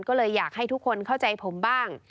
ก็เลยอยากให้ทุกคนเข้าใจผมบ้าง